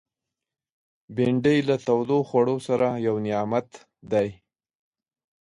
بېنډۍ له تودو خوړو سره یو نعمت دی